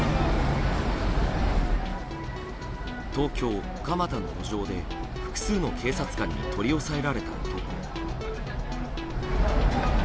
東京・蒲田の路上で複数の警察官に取り押さえられた男。